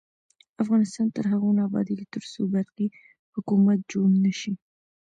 افغانستان تر هغو نه ابادیږي، ترڅو برقی حکومت جوړ نشي.